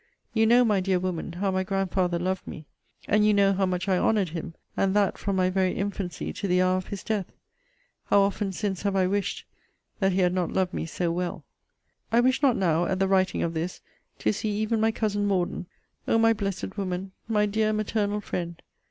You know, my dear woman, how my grandfather loved me. And you know how much I honoured him, and that from my very infancy to the hour of his death. How often since have I wished, that he had not loved me so well! I wish not now, at the writing of this, to see even my cousin Morden. O, my blessed woman! My dear maternal friend!